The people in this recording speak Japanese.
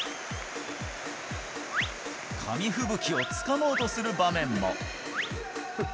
紙吹雪をつかもうとする場面も。